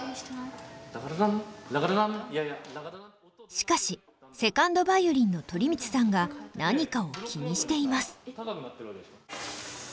しかし２ｎｄヴァイオリンの鳥光さんが何かを気にしています。